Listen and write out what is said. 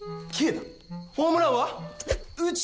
ホームランは？